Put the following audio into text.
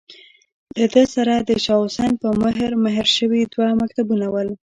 له ده سره د شاه حسين په مهر، مهر شوي دوه مکتوبونه ول.